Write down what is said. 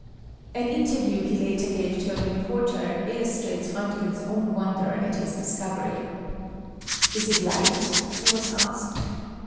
An interview he later gave to a reporter illustrates Roentgen's own wonder at his discovery. "Is it light?" he was asked.